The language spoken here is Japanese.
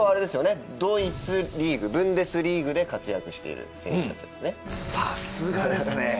ドイツリーグ、ブンデスリーグで活躍している選手たちですね。